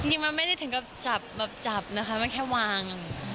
จริงมันไม่ได้ถึงกับจับแบบจับนะคะมันแค่วาง